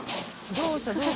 どうした？